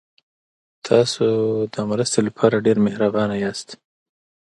تاسو د مرستې لپاره ډېر مهربانه یاست.